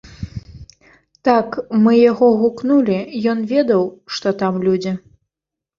Так, мы яго гукнулі, ён ведаў, што там людзі.